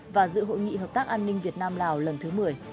và dự hội nghị hợp tác an ninh việt nam lào lần thứ một mươi